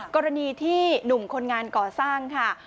กรณีที่หนุ่มคนงานก่อสร้างค่ะ